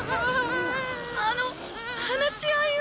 あの話し合いを。